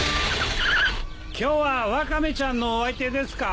今日はワカメちゃんのお相手ですか？